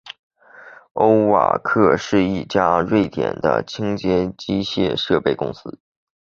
欧瓦克是一家瑞典的清洁机械设备公司。